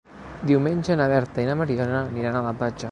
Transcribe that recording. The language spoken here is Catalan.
Diumenge na Berta i na Mariona aniran a la platja.